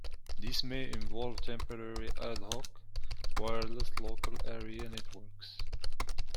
This may involve temporary ad hoc wireless local area networks.